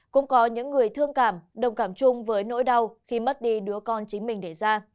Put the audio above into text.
cũng có những người thương cảm đồng cảm chung với nỗi đau khi mất đi đứa con chính mình để ra